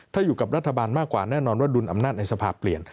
ถ้าอยู่กับรัฐบาลมากกว่าแน่นอนว่าดุลอำนาจในสภาเปลี่ยน